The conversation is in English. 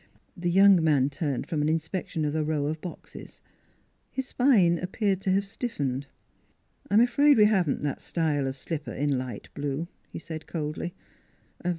The young man turned from an inspection of a row of boxes; his spine appeared to have stif fened. " I'm afraid we haven't that style of slipper in light blue," he said coldly.